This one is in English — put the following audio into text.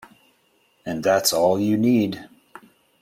And that's all you need.